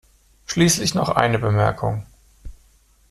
Schließlich noch eine Bemerkung.